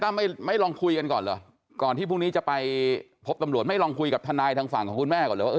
ถ้าไม่ไม่ลองคุยกันก่อนเหรอก่อนที่พรุ่งนี้จะไปพบตำรวจไม่ลองคุยกับทนายทางฝั่งของคุณแม่ก่อนเลยว่า